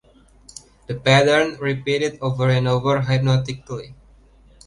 The pattern repeated over and over hypnotically.